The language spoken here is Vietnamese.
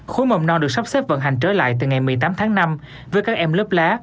khối mầm non được sắp xếp vận hành trở lại từ ngày một mươi tám tháng năm với các em lớp lá